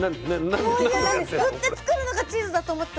こういう振って作るのがチーズだと思ってたら。